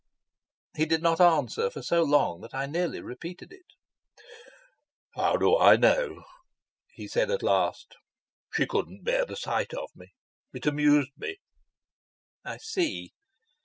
He did not answer for so long that I nearly repeated it. "How do I know?" he said at last. "She couldn't bear the sight of me. It amused me." "I see."